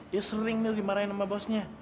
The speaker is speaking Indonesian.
dia sering nih dimarahin sama bosnya